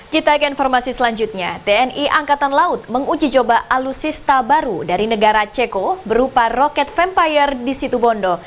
kita akan informasi selanjutnya tni angkatan laut menguji coba alusista baru dari negara ceko berupa roket vampire di situbondo